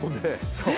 そう。